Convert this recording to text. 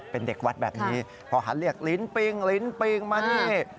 เป็นเด็กวัดแบบนี้พอหันเรียกลิ้นปิงลิ้นปิงมานี่